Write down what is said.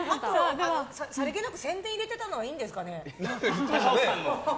さりげなく、宣伝を入れてたのはいいんですかね。